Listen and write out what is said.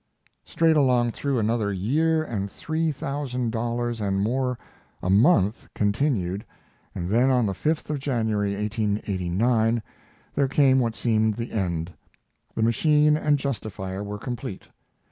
Straight along through another year the three thousand dollars and more a month continued, and then on the 5th of January, 1889, there came what seemed the end the machine and justifier were complete!